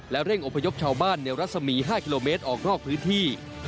และเร่งอุปยกชาวบ้านเนียวรัสสมี๕กมออกรอกพื้นที่